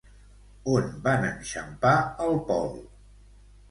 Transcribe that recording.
On van enxampar el Pol?